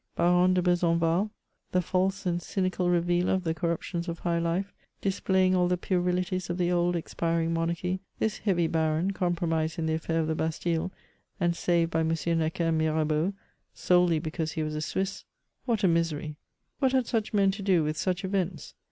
Baron de Bezenval, the false and cynical revealer of the corruptions of high life, displaying all the puerilities of the old expiring monarchy, this heavy baron, compromised in the affair of the Bastille, and saved by M. Necker and Mirabeau, solely because he was a Swiss — what a misery ! What had such men to do with such events?